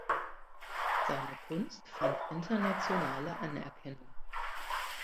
Seine Kunst fand internationale Anerkennung.